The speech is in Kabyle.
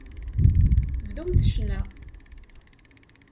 Bdumt ccna.